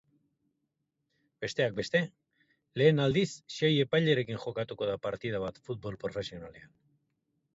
Besteak beste, lehen aldiz sei epailerekin jokatuko da partida bat futbol profesionalean.